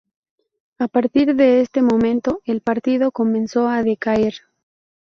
A partir de este momento, el partido comenzó a decaer.